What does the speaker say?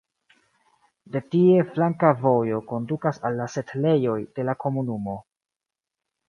De tie flanka vojo kondukas al la setlejoj de la komunumo.